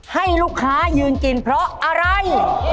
ให้ลูกค้ายืนกินเพราะอะไร